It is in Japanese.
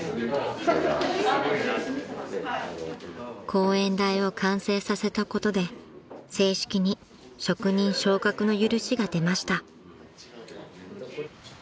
［講演台を完成させたことで正式に職人昇格の許しが出ました］